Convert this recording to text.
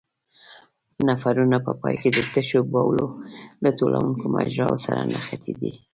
نفرونونه په پای کې د تشو بولو له ټولوونکو مجراوو سره نښتي دي.